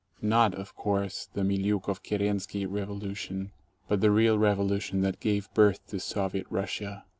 Not, of course, the Miliukov Kerensky revolution, but the real revolution that gave birth to Soviet Russia.